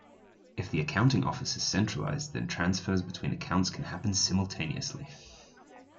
If the accounting office is centralised, then transfers between accounts can happen simultaneously.